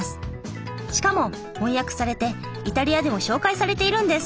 しかも翻訳されてイタリアでも紹介されているんです！